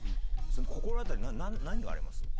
心当たり、何があります？